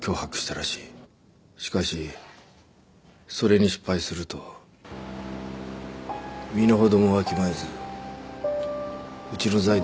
しかしそれに失敗すると身のほどもわきまえずうちの財団を脅迫してきた。